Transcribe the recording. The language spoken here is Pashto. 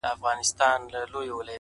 • جواب را كړې ـ